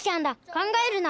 考えるな！